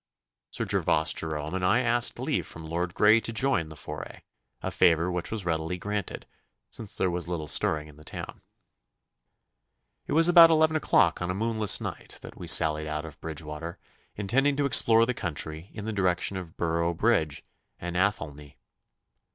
Sir Gervas Jerome and I asked leave from Lord Grey to join the foray a favour which was readily granted, since there was little stirring in the town. It was about eleven o'clock on a moonless night that we sallied out of Bridgewater, intending to explore the country in the direction of Boroughbridge and Athelney.